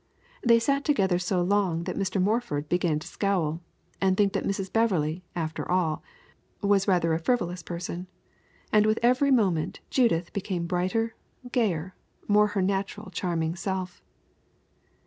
They sat together so long that Mr. Morford began to scowl, and think that Mrs. Beverley, after all, was rather a frivolous person, and with every moment Judith became brighter, gayer, more her natural charming self.